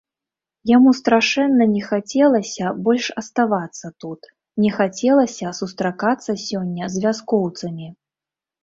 Яму страшэнна не хацелася больш аставацца тут, не хацелася сустракацца сёння з вяскоўцамі.